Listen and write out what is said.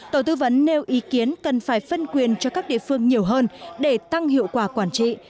tổ tư vấn nêu ý kiến cần phải phân quyền cho các địa phương nhiều hơn để tăng hiệu quả quản trị